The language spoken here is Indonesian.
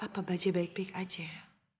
apa bajak baik baik aja ya